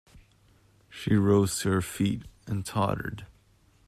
She rose to her feet, and tottered.